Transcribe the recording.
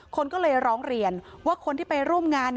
คนก็เลยร้องเรียนว่าคนที่ไปร่วมงาน